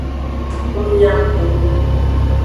Ng nya go.